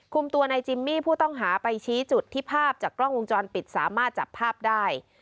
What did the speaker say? ตัวนายจิมมี่ผู้ต้องหาไปชี้จุดที่ภาพจากกล้องวงจรปิดสามารถจับภาพได้